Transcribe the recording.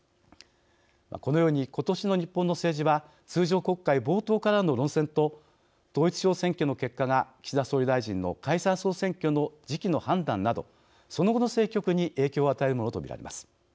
このように、今年の日本の政治は通常国会冒頭からの論戦と統一地方選挙の結果が岸田総理大臣の解散総選挙の時期の判断など、その後の政局に影響を与えるものと見られます。